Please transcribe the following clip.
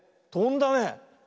とんだね。